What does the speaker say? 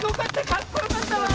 かっこよかったわ！